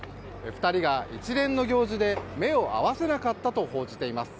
２人が一連の行事で目を合わせなかったと報じています。